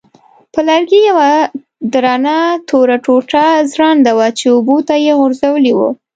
پر لرګي یوه درنه توره ټوټه ځوړنده وه چې اوبو ته یې غورځولې وه.